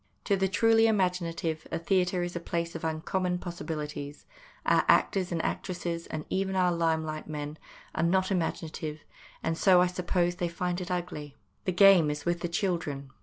To the truly imaginative a theatre is a place of uncommon possibilities ; our actors and actresses, and even our lime light men, are not imaginative, and so, I suppose, they find it ugly. The game is with the children.